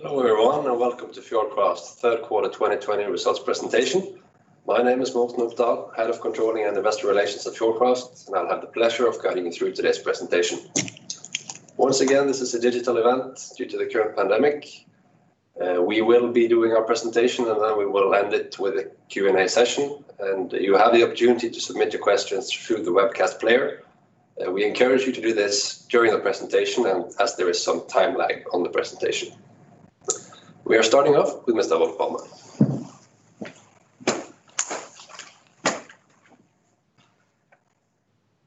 Hello, everyone, and welcome to Fjordkraft's Third Quarter 2020 Results Presentation. My name is Morten Opdal, head of controlling and investor relations at Fjordkraft, and I'll have the pleasure of guiding you through today's presentation. Once again, this is a digital event due to the current pandemic. We will be doing our presentation and then we will end it with a Q&A session and you have the opportunity to submit your questions through the webcast player. We encourage you to do this during the presentation and as there is some time lag on the presentation. We are starting off with Mr. Rolf Barmen.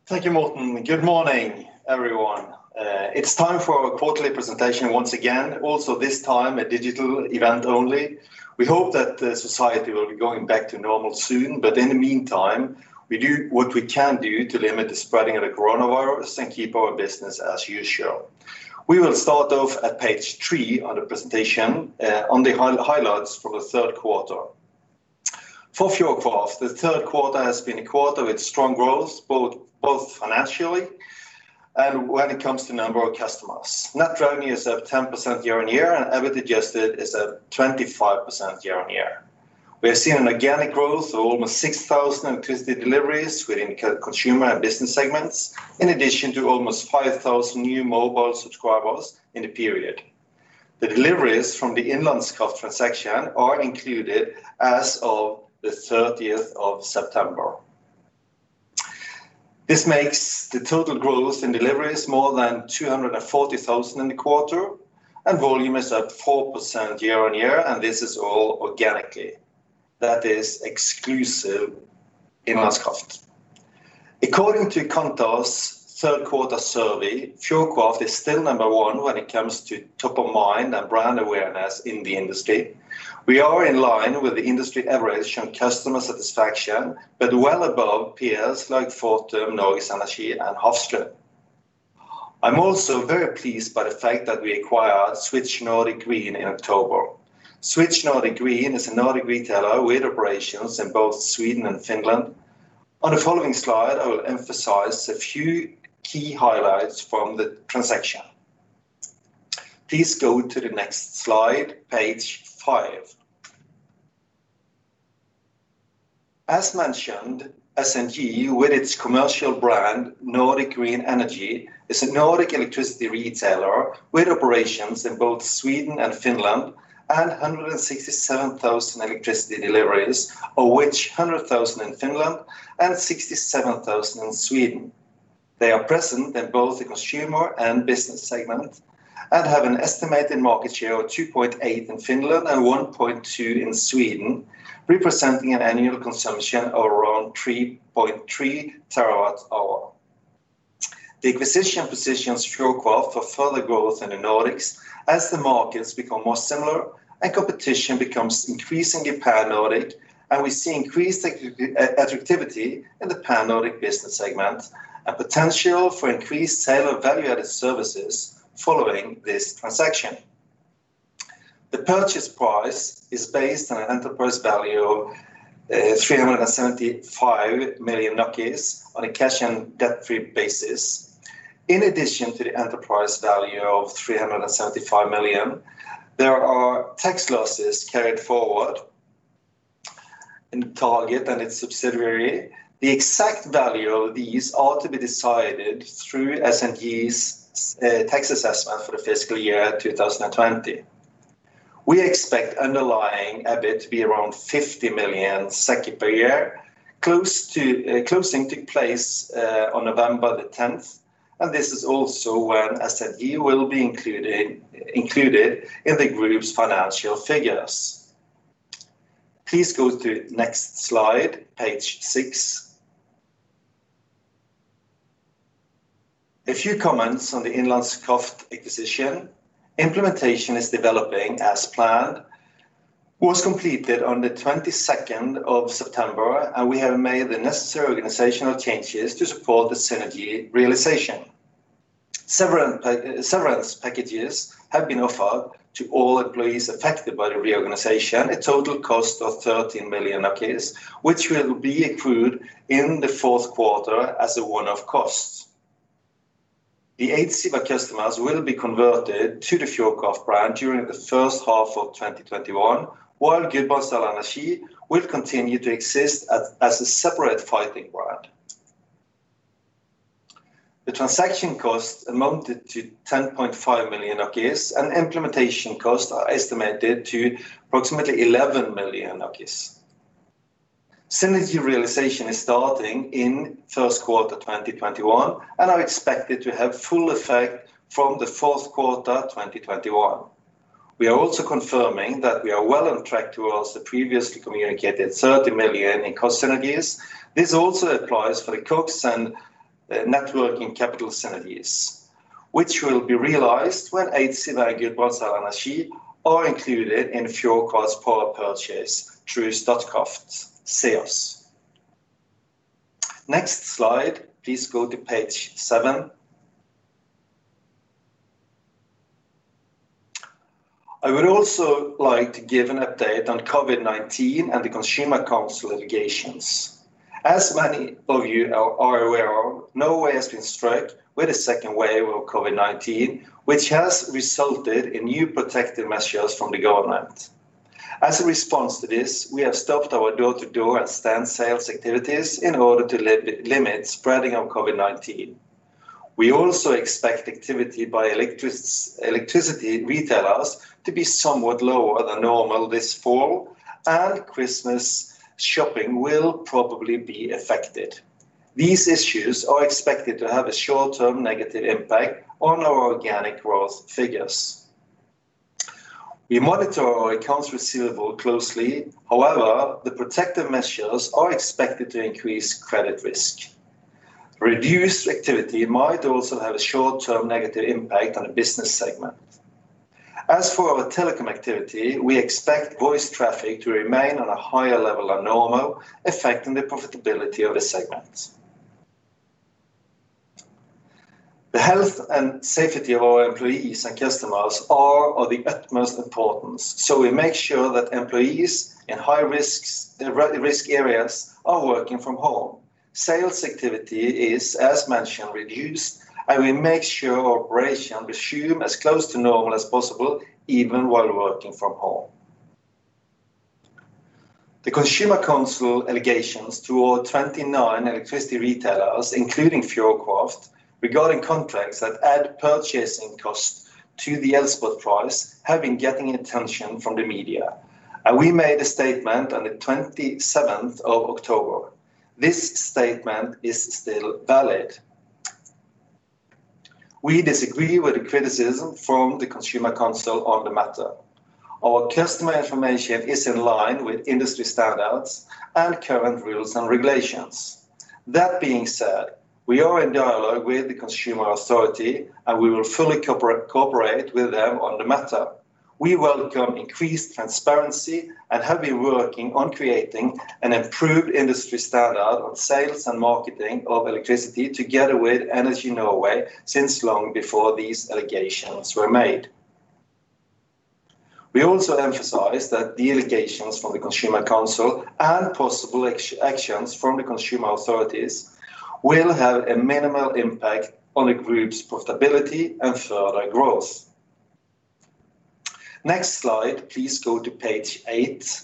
Thank you, Morten. Good morning, everyone. It's time for our quarterly presentation once again, also this time a digital event only. We hope that the society will be going back to normal soon, but in the meantime, we do what we can do to limit the spreading of the coronavirus and keep our business as usual. We will start off at page three on the presentation on the highlights for the third quarter. For Fjordkraft, the third quarter has been a quarter with strong growth, both financially and when it comes to number of customers. Net revenue is up 10% year-on-year and EBIT adjusted is at 25% year-on-year. We have seen an organic growth of almost 6,000 electricity deliveries within consumer and business segments, in addition to almost 5,000 new mobile subscribers in the period. The deliveries from the Innlandskraft transaction are included as of the 30th of September. This makes the total growth in deliveries more than 240,000 in the quarter, and volume is up 4% year-on-year, and this is all organically. That is exclusive Innlandskraft. According to Kantar's third quarter survey, Fjordkraft is still number one when it comes to top of mind and brand awareness in the industry. We are in line with the industry average on customer satisfaction, but well above peers like Fortum, NorgesEnergi, and Hafslund. I'm also very pleased by the fact that we acquired Switch Nordic Green in October. Switch Nordic Green is a Nordic retailer with operations in both Sweden and Finland. On the following slide, I will emphasize a few key highlights from the transaction. Please go to the next slide, page five. As mentioned, SNG, with its commercial brand, Nordic Green Energy, is a Nordic electricity retailer with operations in both Sweden and Finland and 167,000 electricity deliveries, of which 100,000 in Finland and 67,000 in Sweden. They are present in both the consumer and business segment and have an estimated market share of 2.8 in Finland and 1.2 in Sweden, representing an annual consumption of around 3.3 terawatt hour. The acquisition positions Fjordkraft for further growth in the Nordics as the markets become more similar and competition becomes increasingly pan-Nordic and we see increased attractivity in the pan-Nordic business segment, a potential for increased sale of value-added services following this transaction. The purchase price is based on an enterprise value of 375 million on a cash and debt-free basis. In addition to the enterprise value of 375 million, there are tax losses carried forward in the target and its subsidiary. The exact value of these are to be decided through SNG's tax assessment for the fiscal year 2020. We expect underlying EBIT to be around 50 million SEK per year. Closing took place on November the 10th, and this is also when SNG will be included in the group's financial figures. Please go to next slide, page six. A few comments on the Innlandskraft acquisition. Implementation is developing as planned, was completed on the 22nd of September, and we have made the necessary organizational changes to support the synergy realization. Severance packages have been offered to all employees affected by the reorganization, a total cost of 13 million NOK, which will be accrued in the fourth quarter as a one-off cost. The Eidsiva customers will be converted to the Fjordkraft brand during the first half of 2021, while Gudbrandsdal Energi will continue to exist as a separate fighting brand. The transaction cost amounted to 10.5 million and implementation costs are estimated to approximately 11 million. Synergy realization is starting in first quarter 2021, and are expected to have full effect from the fourth quarter 2021. We are also confirming that we are well on track towards the previously communicated 30 million in cost synergies. This also applies for the COGS and net working capital synergies, which will be realized when Eidsiva and Gudbrandsdal Energi are included in Fjordkraft's power purchase through Statkraft sales. Next slide, please go to page seven. I would also like to give an update on COVID-19 and the Consumer Council litigations. As many of you are aware, Norway has been struck with a second wave of COVID-19, which has resulted in new protective measures from the government. As a response to this, we have stopped our door-to-door and stand sales activities in order to limit spreading of COVID-19. We also expect activity by electricity retailers to be somewhat lower than normal this fall, and Christmas shopping will probably be affected. These issues are expected to have a short-term negative impact on our organic growth figures. We monitor our accounts receivable closely. However, the protective measures are expected to increase credit risk. Reduced activity might also have a short-term negative impact on the business segment. As for our telecom activity, we expect voice traffic to remain on a higher level than normal, affecting the profitability of the segment. The health and safety of our employees and customers are of the utmost importance, so we make sure that employees in high-risk areas are working from home. Sales activity is, as mentioned, reduced, and we make sure operations resume as close to normal as possible, even while working from home. The Consumer Council allegations toward 29 electricity retailers, including Fjordkraft, regarding contracts that add purchasing costs to the Elspot price have been getting attention from the media. We made a statement on the 27th of October. This statement is still valid. We disagree with the criticism from the Consumer Council on the matter. Our customer information is in line with industry standards and current rules and regulations. That being said, we are in dialogue with the Consumer Authority, and we will fully cooperate with them on the matter. We welcome increased transparency and have been working on creating an improved industry standard on sales and marketing of electricity together with Energy Norway since long before these allegations were made. We also emphasize that the allegations from the Consumer Council and possible actions from the Consumer Authority will have a minimal impact on the group's profitability and further growth. Next slide. Please go to page eight.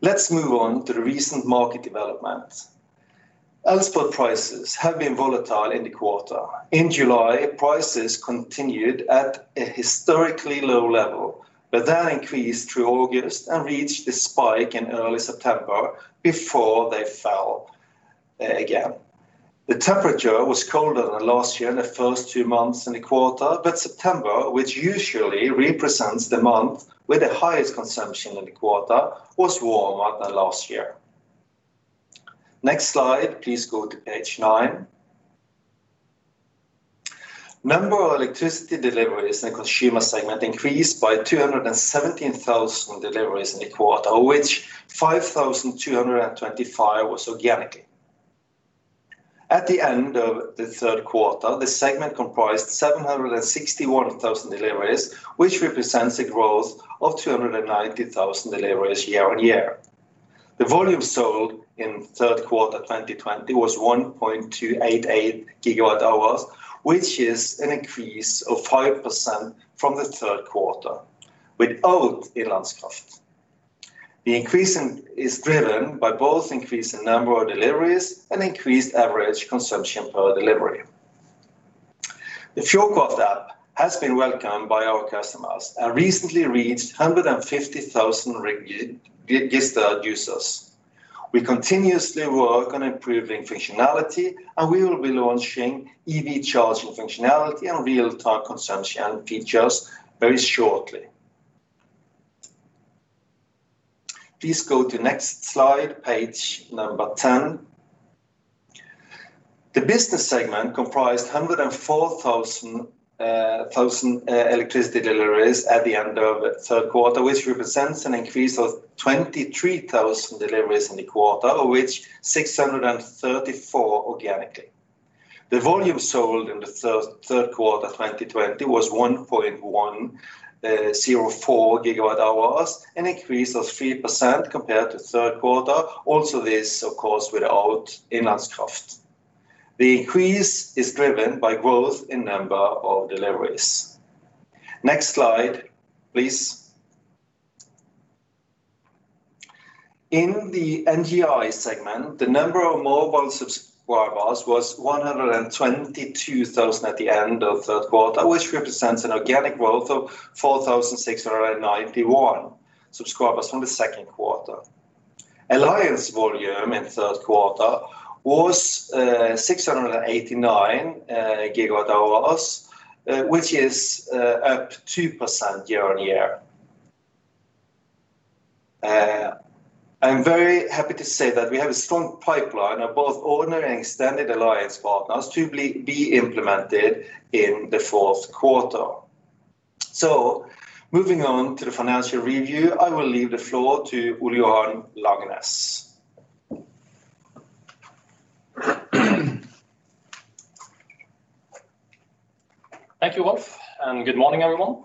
Let's move on to the recent market development. Elspot prices have been volatile in the quarter. In July, prices continued at a historically low level, but that increased through August and reached a spike in early September before they fell again. The temperature was colder than last year in the first two months in the quarter, but September, which usually represents the month with the highest consumption in the quarter, was warmer than last year. Next slide. Please go to page nine. Number of electricity deliveries in the consumer segment increased by 217,000 deliveries in the quarter, of which 5,225 was organically. At the end of the third quarter, the segment comprised 761,000 deliveries, which represents a growth of 290,000 deliveries year-on-year. The volume sold in Q3 2020 was 1.288 gigawatt hours, which is an increase of 5% from the third quarter without Innlandskraft. The increase is driven by both increase in number of deliveries and increased average consumption per delivery. The Fjordkraft app has been welcomed by our customers and recently reached 150,000 registered users. We continuously work on improving functionality, and we will be launching EV charging functionality and real-time consumption features very shortly. Please go to next slide, page number 10. The business segment comprised 104,000 electricity deliveries at the end of the third quarter, which represents an increase of 23,000 deliveries in the quarter, of which 634 organically. The volume sold in the Q3 2020 was 1.104 gigawatt hours, an increase of 3% compared to Q3. Also this, of course, without Innlandskraft. The increase is driven by growth in number of deliveries. Next slide, please. In the NGI segment, the number of mobile subscribers was 122,000 at the end of the third quarter, which represents an organic growth of 4,691 subscribers from the second quarter. Alliance volume in the third quarter was 689 gigawatt hours, which is up 2% year on year. I'm very happy to say that we have a strong pipeline of both ordinary and standard alliance partners to be implemented in the fourth quarter. Moving on to the financial review, I will leave the floor to Ole Johan Lagnæs. Thank you, Rolf. Good morning, everyone.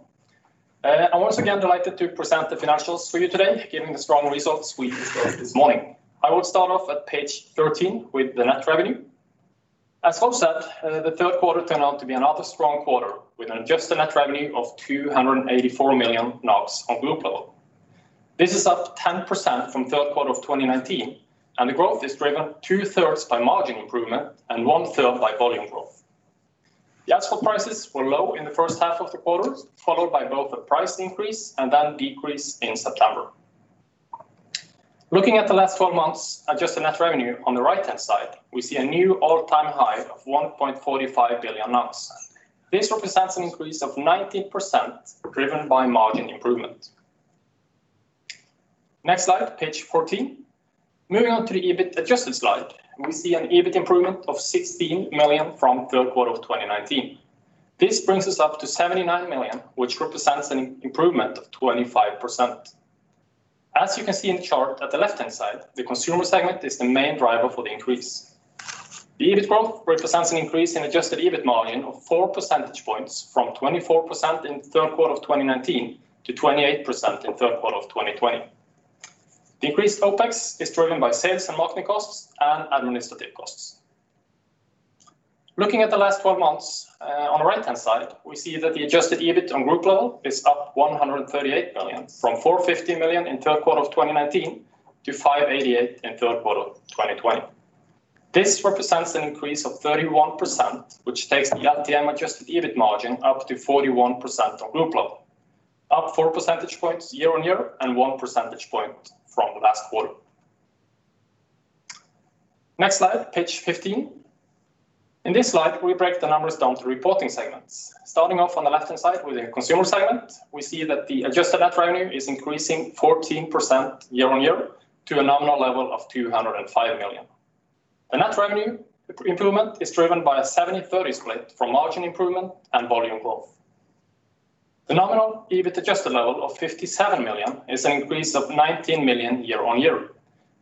I'm once again delighted to present the financials for you today, giving the strong results we discussed this morning. I will start off at page 13 with the net revenue. As Rolf said, the third quarter turned out to be another strong quarter with an adjusted net revenue of 284 million NOK on Group level. This is up 10% from third quarter of 2019. The growth is driven two-thirds by margin improvement and one-third by volume growth. The Elspot prices were low in the first half of the quarter, followed by both a price increase and then decrease in September. Looking at the last 12 months, adjusted net revenue on the right-hand side, we see a new all-time high of 1.45 billion. This represents an increase of 19% driven by margin improvement. Next slide, page 14. Moving on to the EBIT adjusted slide, we see an EBIT improvement of 16 million from third quarter of 2019. This brings us up to 79 million, which represents an improvement of 25%. As you can see in the chart at the left-hand side, the consumer segment is the main driver for the increase. The EBIT growth represents an increase in adjusted EBIT margin of four percentage points from 24% in the third quarter of 2019 to 28% in the third quarter of 2020. Decreased OpEx is driven by sales and marketing costs and administrative costs. Looking at the last 12 months, on the right-hand side, we see that the adjusted EBIT on group level is up 138 million, from 450 million in third quarter of 2019 to 588 million in third quarter of 2020. This represents an increase of 31%, which takes the LTM adjusted EBIT margin up to 41% on group level. Up four percentage points year-over-year and one percentage point from last quarter. Next slide, page 15. In this slide, we break the numbers down to reporting segments. Starting off on the left-hand side with the consumer segment, we see that the adjusted net revenue is increasing 14% year-over-year to a nominal level of 205 million. The net revenue improvement is driven by a 70/30 split from margin improvement and volume growth. The nominal EBIT adjusted level of 57 million is an increase of 19 million year-over-year.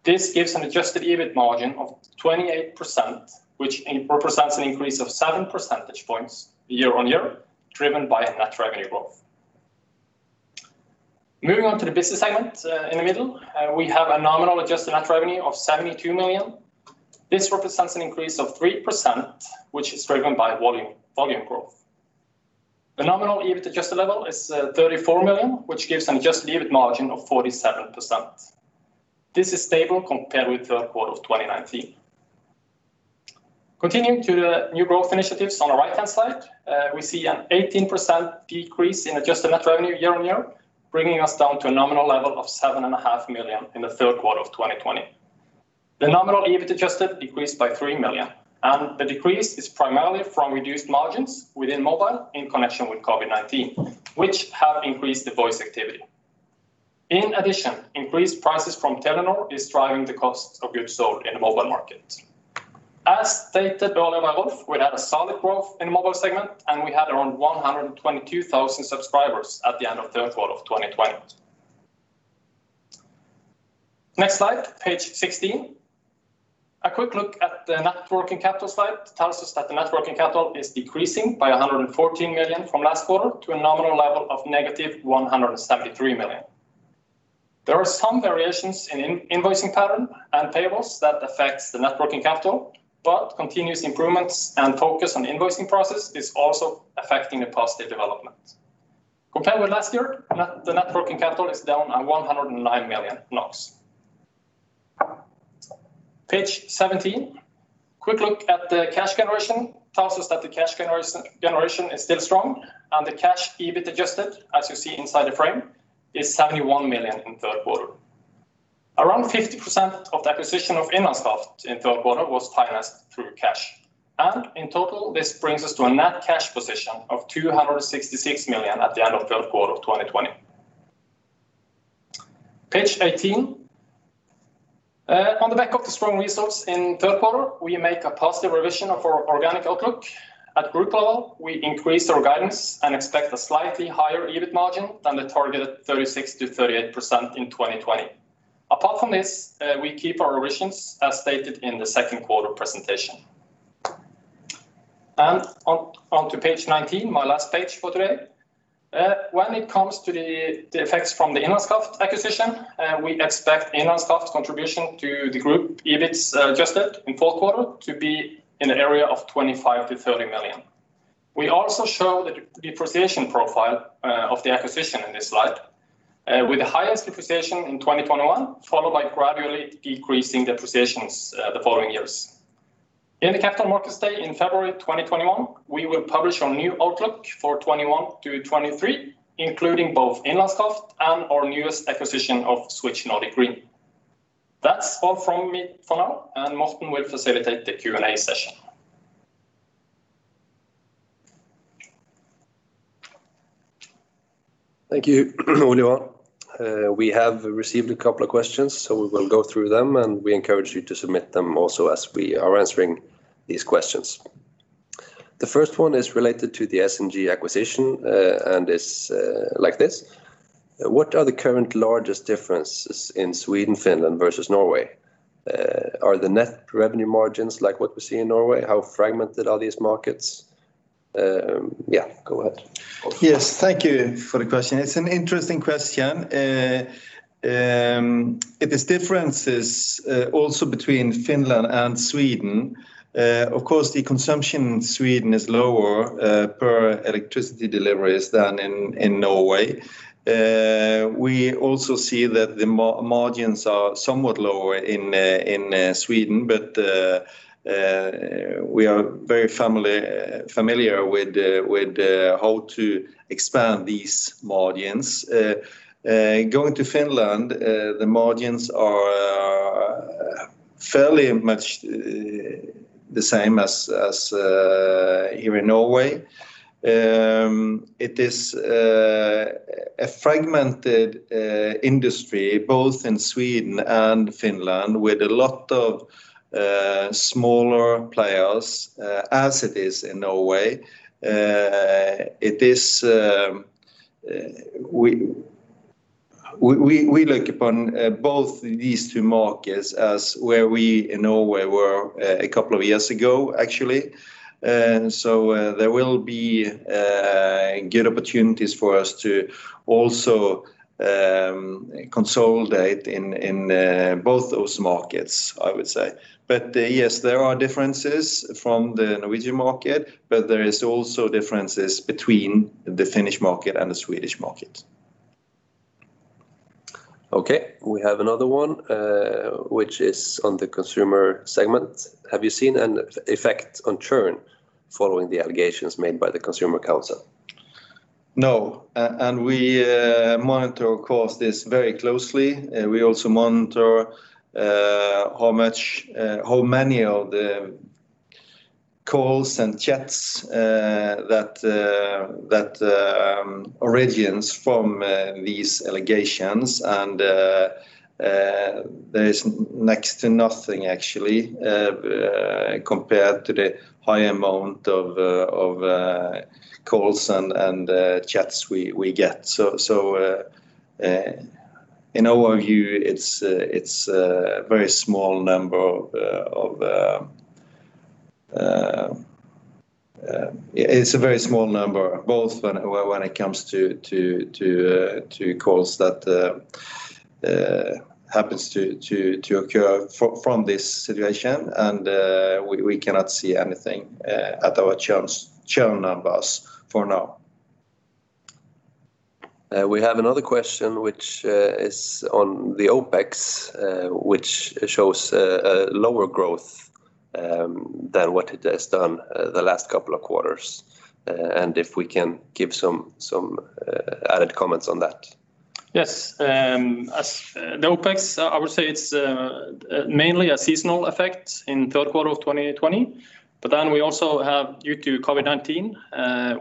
This gives an adjusted EBIT margin of 28%, which represents an increase of seven percentage points year-over-year, driven by net revenue growth. Moving on to the business segment in the middle, we have a nominal adjusted net revenue of 72 million. This represents an increase of 3%, which is driven by volume growth. The nominal EBIT adjusted level is 34 million, which gives an adjusted EBIT margin of 47%. This is stable compared with the third quarter of 2019. Continuing to the new growth initiatives on the right-hand side, we see an 18% decrease in adjusted net revenue year-over-year, bringing us down to a nominal level of 7.5 million in the third quarter of 2020. The nominal EBIT adjusted decreased by 3 million. The decrease is primarily from reduced margins within mobile in connection with COVID-19, which have increased the voice activity. In addition, increased prices from Telenor is driving the cost of goods sold in the mobile market. As stated earlier by Rolf, we had a solid growth in mobile segment, and we had around 122,000 subscribers at the end of third quarter of 2020. Next slide, page 16. A quick look at the net working capital slide tells us that the net working capital is decreasing by 114 million from last quarter to a nominal level of negative 173 million. There are some variations in invoicing pattern and payables that affects the net working capital, but continuous improvements and focus on invoicing process is also affecting the positive development. Compared with last year, the net working capital is down at 109 million NOK. Page 17. Quick look at the cash generation tells us that the cash generation is still strong, and the cash EBIT adjusted, as you see inside the frame, is 71 million in third quarter. Around 50% of the acquisition of Innlandskraft in third quarter was financed through cash. In total, this brings us to a net cash position of 266 million at the end of third quarter of 2020. Page 18. On the back of the strong results in third quarter, we make a positive revision of our organic outlook. At group level, we increased our guidance and expect a slightly higher EBIT margin than the targeted 36%-38% in 2020. Apart from this, we keep our revisions as stated in the second quarter presentation. On to page 19, my last page for today. When it comes to the effects from the Innlandskraft acquisition, we expect Innlandskraft contribution to the group EBITs adjusted in fourth quarter to be in the area of 25 million-30 million. We also show the depreciation profile of the acquisition in this slide with the highest depreciation in 2021, followed by gradually decreasing depreciations the following years. In the Capital Markets Day in February 2021, we will publish our new outlook for 2021 to 2023, including both Innlandskraft and our newest acquisition of Switch Nordic Green. That's all from me for now, and Morten will facilitate the Q&A session. Thank you, Ole Johan. We have received a couple of questions, so we will go through them, and we encourage you to submit them also as we are answering these questions. The first one is related to the SNG acquisition, and it's like this, What are the current largest differences in Sweden, Finland versus Norway? Are the net revenue margins like what we see in Norway? How fragmented are these markets? Yeah, go ahead. Yes, thank you for the question. It's an interesting question. It is differences also between Finland and Sweden. Of course, the consumption in Sweden is lower per electricity deliveries than in Norway. We also see that the margins are somewhat lower in Sweden, but we are very familiar with how to expand these margins. Going to Finland, the margins are fairly much the same as here in Norway. It is a fragmented industry, both in Sweden and Finland, with a lot of smaller players, as it is in Norway. We look upon both these two markets as where we in Norway were a couple of years ago, actually. There will be good opportunities for us to also consolidate in both those markets, I would say. Yes, there are differences from the Norwegian market, but there is also differences between the Finnish market and the Swedish market. Okay. We have another one, which is on the consumer segment. Have you seen an effect on churn following the allegations made by the Consumer Council? No. We monitor, of course, this very closely. We also monitor how many of the calls and chats that origins from these allegations, and there is next to nothing, actually, compared to the high amount of calls and chats we get. In our view, it's a very small number both when it comes to calls that happens to occur from this situation, and we cannot see anything at our churn numbers for now. We have another question, which is on the OpEx, which shows a lower growth than what it has done the last couple of quarters. If we can give some added comments on that. Yes. As the OpEx, I would say it's mainly a seasonal effect in third quarter of 2020. We also have, due to COVID-19,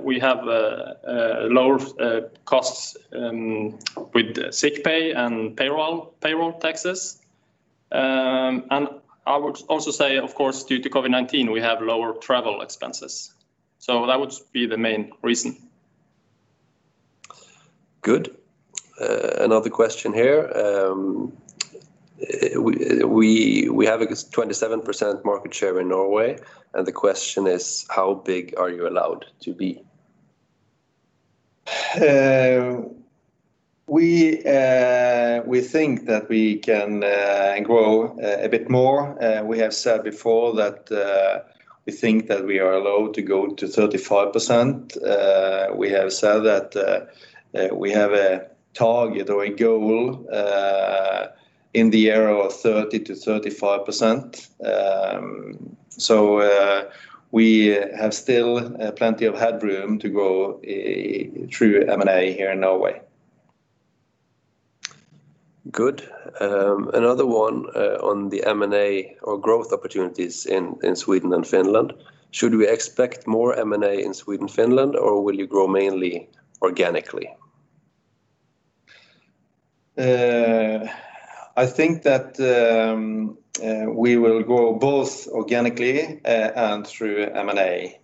we have lower costs with sick pay and payroll taxes. I would also say, of course, due to COVID-19, we have lower travel expenses. That would be the main reason. Good. Another question here. We have a 27% market share in Norway, and the question is, how big are you allowed to be? We think that we can grow a bit more. We have said before that we think that we are allowed to go to 35%. We have said that we have a target or a goal in the area of 30%-35%. We have still plenty of headroom to grow through M&A here in Norway. Good. Another one on the M&A or growth opportunities in Sweden and Finland. Should we expect more M&A in Sweden, Finland, or will you grow mainly organically? I think that we will grow both organically and through M&A.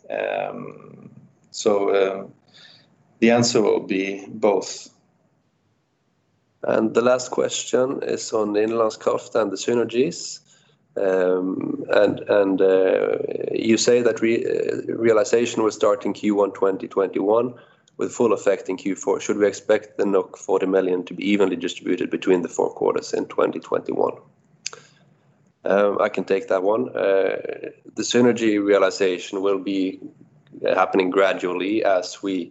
The answer will be both. The last question is on Innlandskraft and the synergies. You say that realization will start in Q1 2021 with full effect in Q4. Should we expect the 40 million to be evenly distributed between the four quarters in 2021? I can take that one. The synergy realization will be happening gradually as we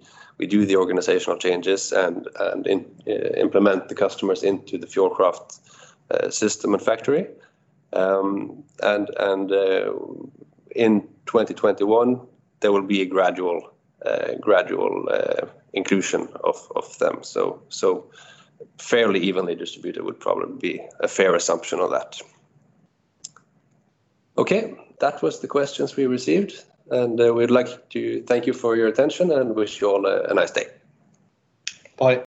do the organizational changes and implement the customers into the Fjordkraft system and factory. In 2021, there will be a gradual inclusion of them. Fairly evenly distributed would probably be a fair assumption of that. Okay. That was the questions we received, and we'd like to thank you for your attention and wish you all a nice day. Bye.